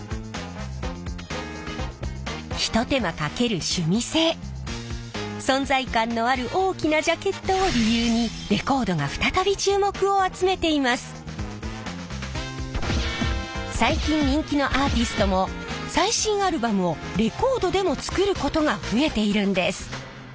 ひと手間かける趣味性存在感のある大きなジャケットを理由に最近人気のアーティストも最新アルバムをレコードでも作ることが増えているんです。